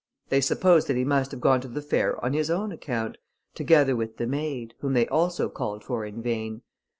They supposed that he must have gone to the fair on his own account, together with the maid, whom they also called for in vain.